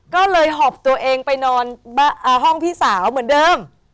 ก็เลยหอบตัวเองไปนอนห้องพี่สาวเหมือนเดิม